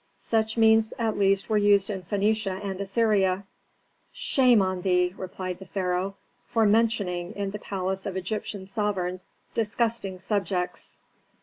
Such means at least were used in Phœnicia and Assyria. "Shame on thee!" replied the pharaoh, "for mentioning in the palace of Egyptian sovereigns disgusting subjects.